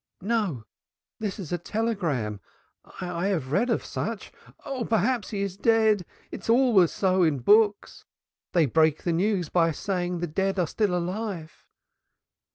"No, this is a telegram. I have read of such. Oh! perhaps he is dead. It is always so in books. They break the news by saying the dead are still alive."